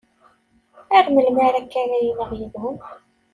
Ar melmi akka ara yiliɣ yid-wen!